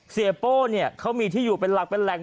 โป้เนี่ยเขามีที่อยู่เป็นหลักเป็นแหล่ง